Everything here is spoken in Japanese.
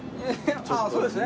あっそうですね。